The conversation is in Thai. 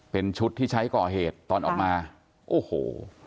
เป็นชุดที่ใช้ก่อเหตุตอนออกมาโอ้โห